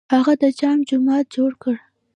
هغه د جامع جومات جوړ کړ.